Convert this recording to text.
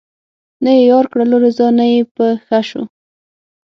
نه یې یار کړلو رضا نه یې په ښه شو